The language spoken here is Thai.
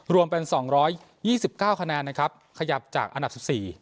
รวมเป็นสองร้อยยี่สิบเก้าคะแนนนะครับขยับจากอันดับสิบสี่